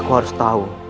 aku harus tahu